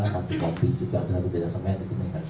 satu kopi juga ada berbeda beda sampai ada yang dikenakan